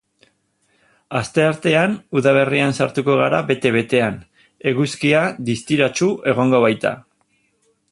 Asteartean udaberrian sartuko gara bete-betean, eguzkia distiratsu egongo baita.